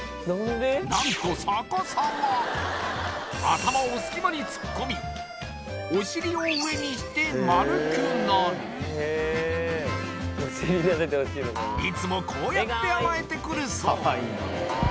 何と逆さま頭を隙間に突っ込みお尻を上にして丸くなるいつもこうやって甘えてくるそう体勢的にはちょっとつらそう